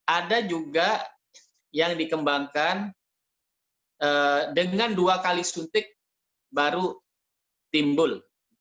ada juga yang dikembangkan dengan dua kali suntik baru timbul